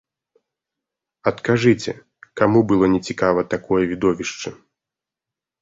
Адкажыце, каму было нецікава такое відовішча?